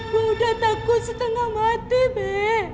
gue udah takut setengah mati be